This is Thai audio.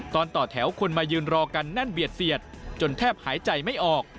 ต่อแถวคนมายืนรอกันแน่นเบียดเสียดจนแทบหายใจไม่ออก